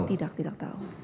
tidak tidak tau